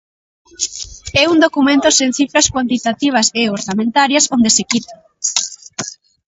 É un documento sen cifras cuantitativas e orzamentarias onde se quita.